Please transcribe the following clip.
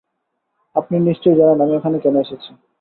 আপনি নিশ্চয়ই জানেন আমি এখানে কেন এসেছি।